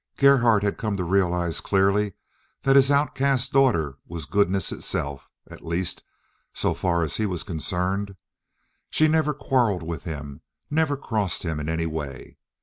Gerhardt had come to realize clearly that his outcast daughter was goodness itself—at least, so far as he was concerned. She never quarreled with him, never crossed him in any way.